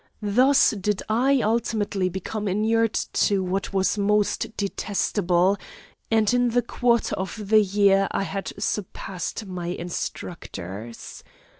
Thus did I ultimately become inured to what was most detestable, and in the quarter of the year I had surpassed my instructors.